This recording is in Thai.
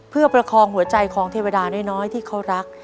เพื่อประคองหัวใจของเทวดาน้อยที่เขารัก